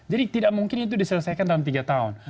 jadi tidak mungkin itu diselesaikan dalam tiga tahun